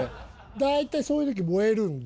大体そういう時燃えるんで。